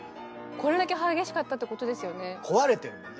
これだけ激しかったってことですよね。